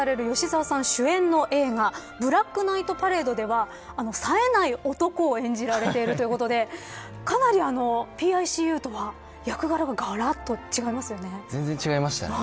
そして、間もなく公開される吉沢さん主演の映画ブラックナイトパレードではさえない男を演じられているということでかなりＰＩＣＵとは、役柄が全然、違いましたね。